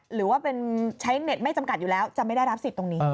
หรือว่าเป็นใช้เน็ตไม่จำกัดอยู่แล้วจะไม่ได้รับสิทธิ์ตรงนี้